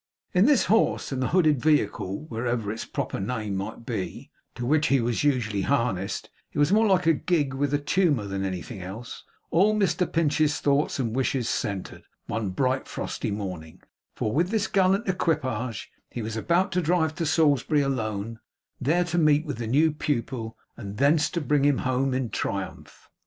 In this horse, and the hooded vehicle, whatever its proper name might be, to which he was usually harnessed it was more like a gig with a tumour than anything else all Mr Pinch's thoughts and wishes centred, one bright frosty morning; for with this gallant equipage he was about to drive to Salisbury alone, there to meet with the new pupil, and thence to bring him home in triumph.